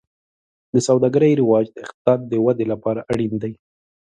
د سوداګرۍ رواج د اقتصاد د ودې لپاره اړین دی.